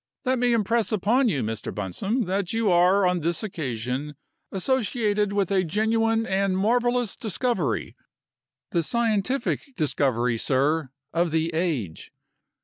Let me impress upon you, Mr. Bunsome, that you are, on this occasion, associated with a genuine and marvelous discovery the scientific discovery, sir, of the age.